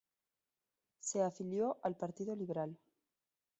Se afilió al Partido Liberal.